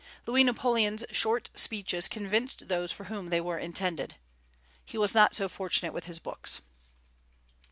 Louis Napoleon's short speeches convinced those for whom they were intended. He was not so fortunate with his books.